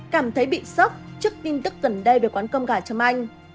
cảm thấy bị sốc trước tin tức gần đây về quán cơm gà châm anh